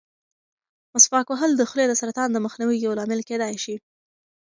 مسواک وهل د خولې د سرطان د مخنیوي یو لامل کېدای شي.